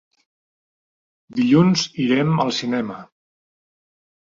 Dilluns irem al cinema.